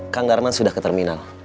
kang garman sudah ke terminal